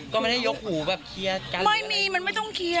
ก็ไม่ได้ยกหูแบบเคลียร์กันไม่มีมันไม่ต้องเคลียร์